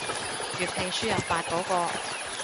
粵拼輸入法嗰個